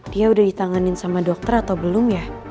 dia udah ditanganin sama dokter atau belum ya